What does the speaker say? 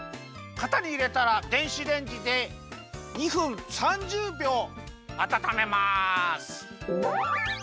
かたにいれたら電子レンジで２分３０びょうあたためます。